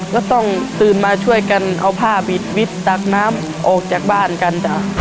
ก็ต้องตื่นมาช่วยกันเอาผ้าบิดมิดตักน้ำออกจากบ้านกันจ้ะ